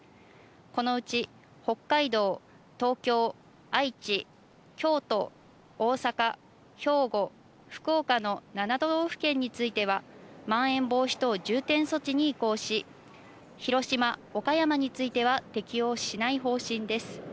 このうち、北海道、東京、愛知、京都、大阪、兵庫、福岡の７都道府県については、まん延防止等重点措置に移行し、広島、岡山については適用しない方針です。